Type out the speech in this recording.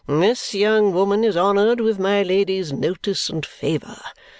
This young woman is honoured with my Lady's notice and favour.